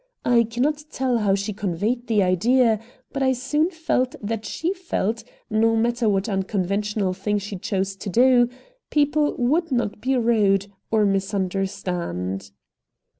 I cannot tell how she conveyed the idea, but I soon felt that she felt, no matter what unconventional thing she chose to do, people would not be rude, or misunderstand.